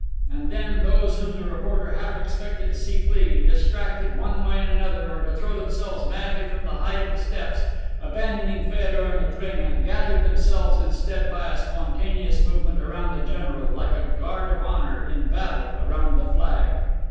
And then, those whom the reporter half expected to see flee, distracted, one way and another, or to throw themselves madly from the height of the steps, abandoning Feodor and Matrena, gathered themselves instead by a spontaneous movement around the general, like a guard of honor, in battle, around the flag.